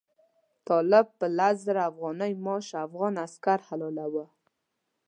طالب په لس زره افغانۍ معاش افغان عسکر حلالاوه.